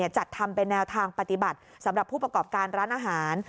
จัดทำเป็นแนวทางปฏิบัติสำหรับผู้ประกอบการร้านอาหาร